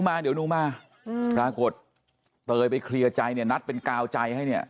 บอกเดี๋ยวนู้นมาพรากฏเตยไปเคลียร์ใจนัดเป็นกาวใจให้